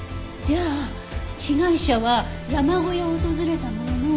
じゃあ被害者は山小屋を訪れたものの。